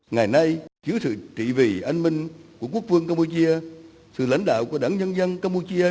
ngày nay dưới sự trị vì anh minh của quốc vương campuchia sự lãnh đạo của đảng nhân dân campuchia